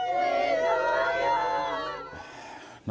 แฮปปี้เบิร์ตเดย์โนโย